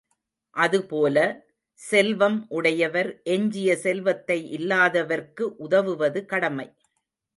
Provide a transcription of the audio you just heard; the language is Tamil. அதுபோல, செல்வம் உடையவர் எஞ்சிய செல்வத்தை இல்லாதவர்க்கு உதவுவது கடமை.